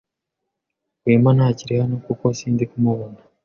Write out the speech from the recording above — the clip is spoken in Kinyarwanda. Rwema ntakiri hano, kuko sindi kumubona.